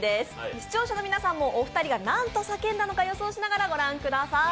視聴者の皆さんも２人が何と叫んだのか予想しながらご覧ください。